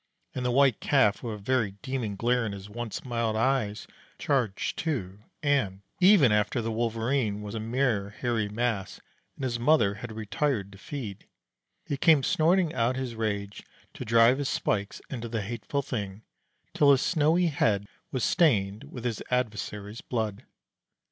And the White Calf, with a very demon glare in his once mild eyes, charged too; and even after the Wolverene was a mere hairy mass, and his mother had retired to feed, he came, snorting out his rage, to drive his spikes into the hateful thing, till his snowy head was stained with his adversary's blood.